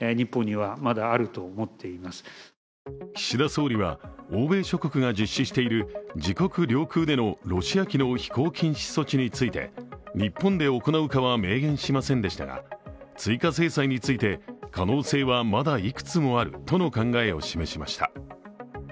岸田総理は、欧米諸国が実施している自国領空でのロシア機の飛行禁止措置について日本で行うかは明言しませんでしたが追加制裁について可能性はまだいくつもあるとの考えを示しました。